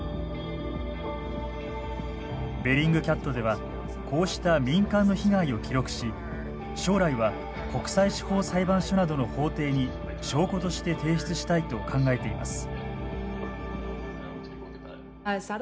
ベリングキャットではこうした民間の被害を記録し将来は国際司法裁判所などの法廷に証拠として提出したいと考えています。